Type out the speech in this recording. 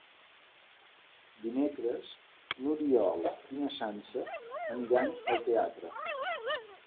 Dimecres n'Oriol i na Sança aniran al teatre.